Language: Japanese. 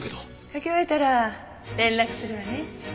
書き終えたら連絡するわね。